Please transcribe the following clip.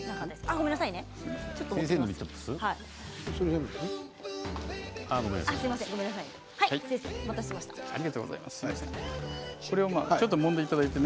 ごめんなさいね。